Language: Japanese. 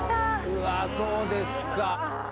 うわそうですか。